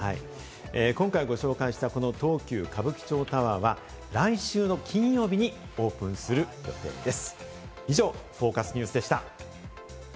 今回、ご紹介した東急歌舞伎町タワーは来週の金曜日にオープンする予定です。